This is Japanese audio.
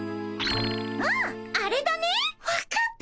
あっあれだねっ。